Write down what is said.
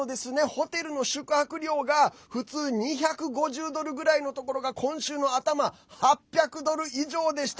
ホテルの宿泊料が普通２５０ドルぐらいのところが今週の頭８００ドル以上でした。